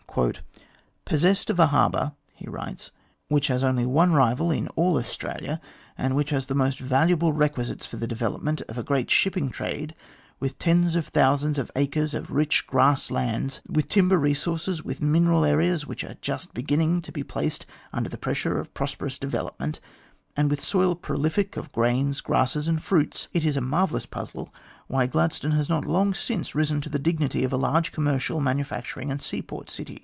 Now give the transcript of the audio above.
204 THE GLADSTONE COLONY " Possessed of a harbour," he writes, " which has only one rival in all Australia, and which has the most valuable requisites for the development of a great shipping trade, with tens of thou sands of acres of rich grass lands, with vast timber resources, with mineral areas which are just beginning to be placed under the pressure of prosperous development, and with soil prolific of grains, grasses, and fruits, it is a marvellous puzzle why Gladstone has not long since risen to the dignity of a large commercial, manufacturing, and seaport city.